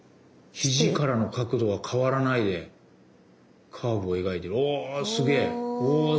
肘からの角度は変わらないでカーブを描いてる。